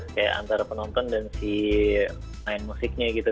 kayak antara penonton dan si main musiknya gitu